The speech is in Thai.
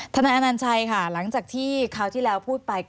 นายอนัญชัยค่ะหลังจากที่คราวที่แล้วพูดไป